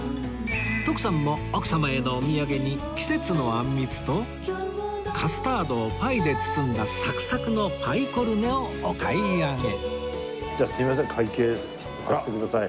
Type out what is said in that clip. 徳さんも奥様へのお土産に季節のあんみつとカスタードをパイで包んだサクサクのパイコルネをお買い上げ